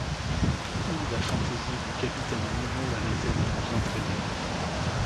Où la fantaisie du capitaine Nemo allait-elle nous entraîner ?